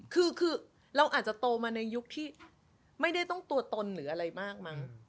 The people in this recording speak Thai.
คือเราอาจจะโตมาในยุคที่ไม่ได้ต้องตัวตนหรืออะไรมากมั้ง